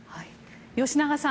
吉永さん